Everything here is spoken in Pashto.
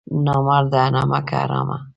نامرده نمک حرامه!